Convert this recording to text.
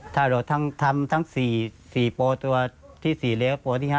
ถ้าเราทำทั้ง๔โปรตัวที่๔แล้วโปรที่๕